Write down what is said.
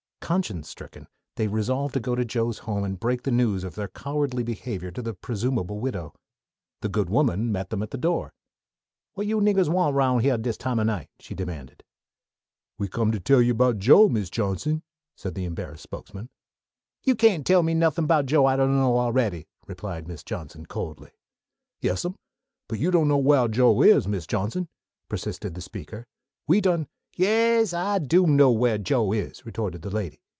Conscience stricken, they resolved to go to Joe's home and break the news of their cowardly behavior to the presumable widow. The good woman met them at the door. "What yo' niggahs want round here dis time o' night?" she demanded. "We come to tell yo' 'bout Joe, Mis' Johnsing," said the embarrassed spokesman. "Yo' kain't tell me nothin' 'bout Joe what Ah don' know a'ready," replied Mrs. Johnson coldly. "Yas'm; but yo' don' know whar Joe is, Mis' Johnsing," persisted the speaker. "We done " "Yas, Ah do know whar Joe is," retorted the lady.